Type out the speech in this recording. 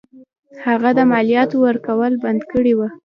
هغه د مالیاتو ورکول بند کړي وه.